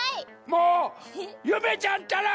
もうゆめちゃんったら！